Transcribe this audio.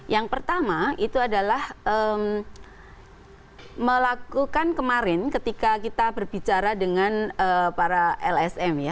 yang pertama itu adalah melakukan kemarin ketika kita berbicara dengan para lsm ya